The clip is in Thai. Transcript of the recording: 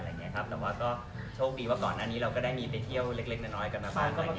แต่ว่าก็โชคดีว่าก่อนหน้านี้เราก็ได้มีไปเที่ยวเล็กน้อยกันมาบ้าง